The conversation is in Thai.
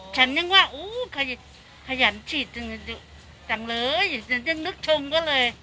ฉันยังว่าขยันฉีดจริงจริงจังเลยยังนึกชงก็เลย